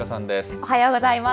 おはようございます。